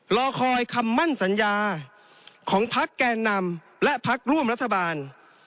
รอคอยคำมั่นสัญญาของพักแก่นำและพักร่วมรัฐบาล